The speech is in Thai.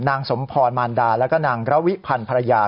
นางสมพรมารฏาแล้วก็นางระวิพันพระยา